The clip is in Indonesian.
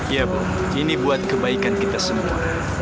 ya bu ini buat kebaikan kita semua